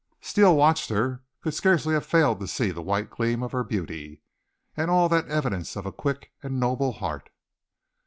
Steele watched her, could scarcely have failed to see the white gleam of her beauty, and all that evidence of a quick and noble heart.